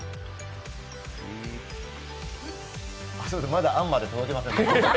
まだあんまで届いてませんね。